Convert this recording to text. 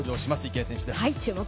池江選手です。